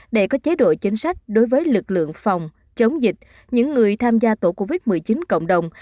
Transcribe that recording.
để có chế độ chính sách đối với lực lượng phòng chống dịch những người tham gia tổ covid một mươi chín cộng đồng